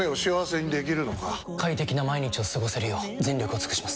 快適な毎日を過ごせるよう全力を尽くします！